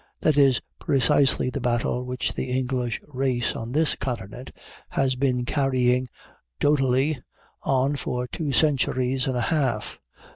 That is precisely the battle which the English race on this continent has been carrying doughtily on for two centuries and a half.